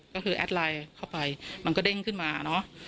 ก็คือแอดไลน์เข้าไปมันก็เด้งขึ้นมาเนอะ